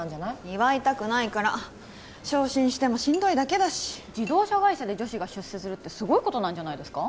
祝いたくないから昇進してもしんどいだけだし自動車会社で女子が出世するってすごいことなんじゃないですか？